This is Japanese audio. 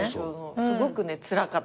すごくねつらかったと思う。